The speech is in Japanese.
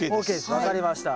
分かりました。